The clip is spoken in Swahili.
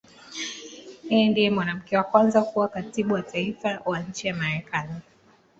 Yeye ndiye mwanamke wa kwanza kuwa Katibu wa Taifa wa nchi ya Marekani.